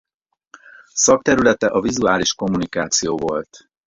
Szakterülete a vizuális kommunikáció volt.